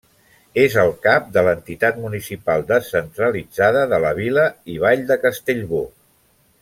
És el cap de l'entitat municipal descentralitzada de la Vila i vall de Castellbò.